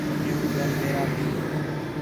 عِیُّوں ٻِیال ویرا بھی